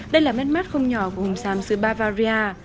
đây là mắt mắt không nhỏ của hùng sám sư bavaria